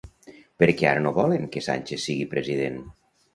Per què ara no volen que Sánchez sigui president?